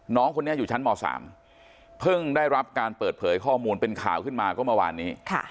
น้องคนนี้อยู่ชั้นม๓เพิ่งได้รับการเปิดเผยข้อมูลเป็นข่าวขึ้นมาก็เมื่อวานนี้